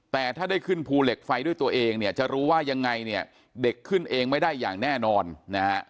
แต่ถ้าได้ขึ้นภูเหล็กไฟด้วยตัวเองเนี่ยจะรู้ว่ายังไงเนี่ยเด็กขึ้นเองไม่ได้อย่างแน่นอนนะฮะ